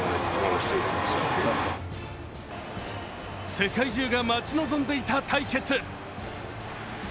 世界中が待ち望んでいた対決。